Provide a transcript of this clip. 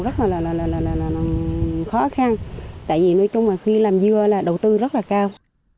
rất là khó khăn tại vì nói chung là khi làm dưa là đầu tư rất là cao